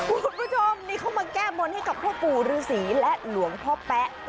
คุณผู้ชมนี่เขามาแก้บนให้กับพ่อปู่ฤษีและหลวงพ่อแป๊ะ